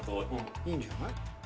いいんじゃない。